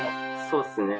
そうっすね。